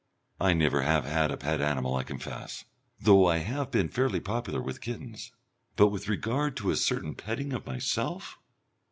I never have had a pet animal, I confess, though I have been fairly popular with kittens. But with regard to a certain petting of myself